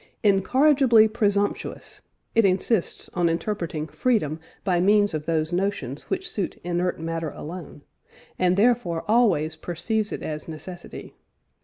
"Incorrigibly presumptuous," it insists on interpreting freedom by means of those notions which suit inert matter alone, and therefore always perceives it as necessity.